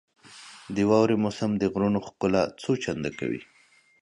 • د واورې موسم د غرونو ښکلا څو چنده کوي.